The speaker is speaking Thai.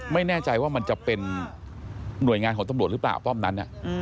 ไม่แน่ใจว่ามันจะเป็นหน่วยงานของตำรวจหรือเปล่าป้อมนั้น